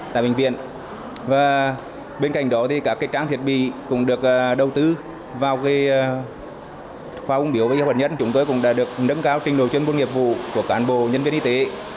tại bệnh viện hàn nhân chúng tôi cũng đã được nâng cao trình đội chuyên quân nghiệp vụ của cán bộ nhân viên y tế